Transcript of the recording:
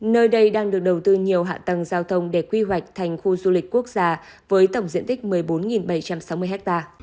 nơi đây đang được đầu tư nhiều hạ tầng giao thông để quy hoạch thành khu du lịch quốc gia với tổng diện tích một mươi bốn bảy trăm sáu mươi ha